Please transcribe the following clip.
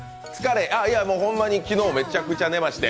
いや、ほんまに昨日、めちゃくちゃ寝まして。